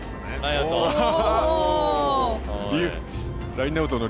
ラインアウトだ。